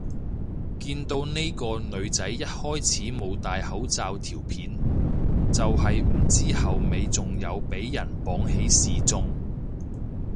見到呢個女仔一開始冇戴口罩條片，但係唔知後尾仲有俾人綁起示眾